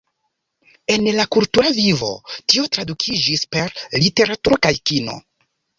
En la kultura vivo, tio tradukiĝis per literaturo kaj kino.